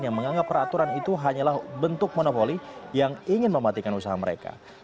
yang menganggap peraturan itu hanyalah bentuk monopoli yang ingin mematikan usaha mereka